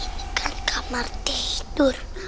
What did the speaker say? ini kan kamar tidur